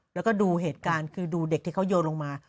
แล้วก็ดูเหตุการณ์คือดูเด็กที่เขาโยนลงมา